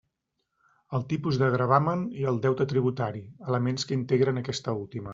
El tipus de gravamen i el deute tributari; elements que integren aquesta última.